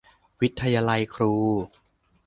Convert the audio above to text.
วิทยาลัยครู